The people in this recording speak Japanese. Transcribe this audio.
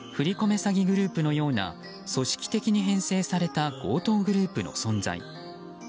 詐欺グループのような組織的に編成された強盗グループの存在。